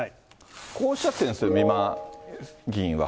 こうおっしゃってるんですよ、美馬議員は。